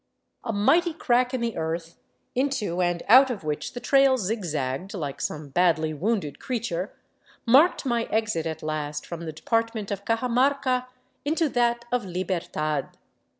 A mighty crack in the earth, into and out of which the trail zig zagged like some badly wounded creature, marked my exit at last from the department of Cajamarca into that of Libertad.